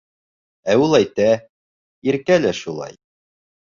Ә ул әйтә: «Иркә лә шулай».